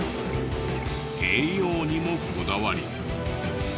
栄養にもこだわり。